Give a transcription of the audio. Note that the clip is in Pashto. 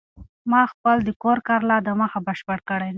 ما خپل د کور کار لا د مخه بشپړ کړی دی.